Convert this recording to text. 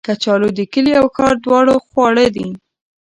کچالو د کلي او ښار دواړو خواړه دي